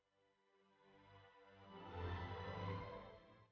tuhan aku mencintaimu